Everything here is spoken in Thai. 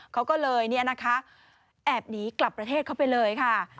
เขาก็เลยแอบหนีกลับประเทศเข้าไปเลยค่ะ